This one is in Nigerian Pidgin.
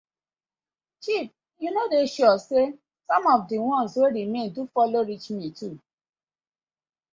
Chief yu no dey sure say som of di ones wey remain do follow reach me too.